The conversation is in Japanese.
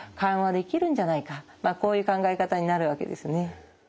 まあこういう考え方になるわけですね。